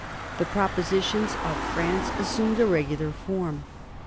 The proposi tions of France assumed a regular form.